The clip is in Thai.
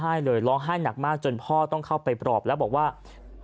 สุดท้ายตัดสินใจเดินทางไปร้องทุกข์การถูกกระทำชำระวจริงและตอนนี้ก็มีภาวะซึมเศร้าด้วยนะครับ